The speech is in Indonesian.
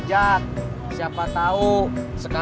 sama sebagai miyako